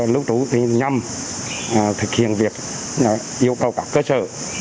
lưu trú nhằm thực hiện việc yêu cầu các cơ sở